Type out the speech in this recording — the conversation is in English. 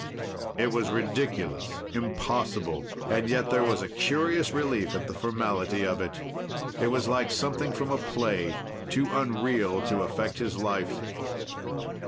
It was ridiculous, impossible, and yet there was a curious relief at the formality of it. It was like something from a play, too unreal to affect his life.